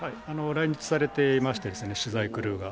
来日されていましてですね、取材クルーが。